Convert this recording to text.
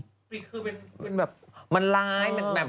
ปริกคือเป็นแบบ